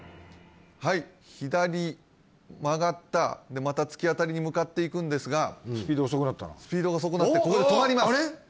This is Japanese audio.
はい左曲がったでまた突き当たりに向かっていくんですがスピードが遅くなってここで止まります